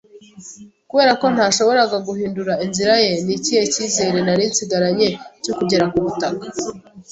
kubera ko ntashoboraga guhindura inzira ye, ni ikihe cyizere nari nsigaranye cyo kugera ku butaka?